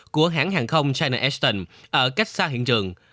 của hãng hàng không china ston ở cách xa hiện trường